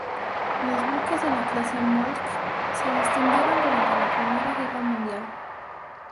Los buques de la clase "Moltke" se distinguieron durante la Primera Guerra Mundial.